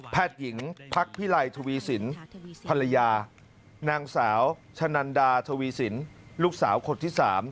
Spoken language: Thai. หญิงพักพิไลทวีสินภรรยานางสาวชะนันดาทวีสินลูกสาวคนที่๓